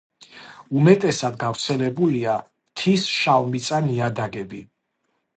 უმეტესად გავრცელებულია მთის შავმიწა ნიადაგები.